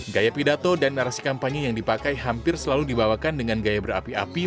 gaya pidato dan narasi kampanye yang dipakai hampir selalu dibawakan dengan gaya berapi api